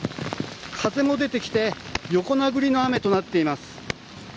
風も出てきて横殴りの雨となっています。